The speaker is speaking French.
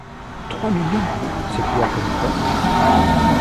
Trois millions! s’écria Pencroff.